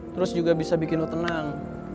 terus juga bisa bikin lo tenang